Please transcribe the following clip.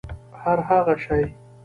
هرهغه شی